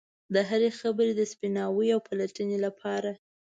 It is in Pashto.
د هرې خبرې د سپیناوي او پلټنې لپاره.